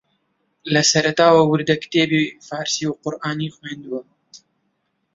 لە سەرەتاوە وردەکتێبی فارسی و قورئانی خوێندووە